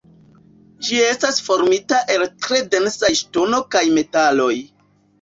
Ĝi estas formita el tre densaj ŝtono kaj metaloj.